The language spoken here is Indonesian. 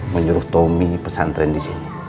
menyuruh tommy pesantren disini